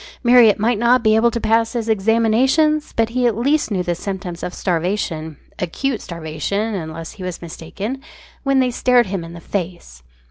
Marriott might not be able to pass his examinations, but he at least knew the symptoms of starvation acute starvation, unless he was much mistaken when they stared him in the face.